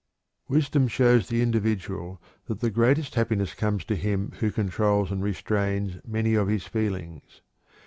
Wisdom shows the individual that the greatest happiness comes to him who controls and restrains many of his feelings.